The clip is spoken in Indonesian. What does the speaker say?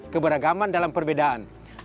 keberagaman dalam perbedaan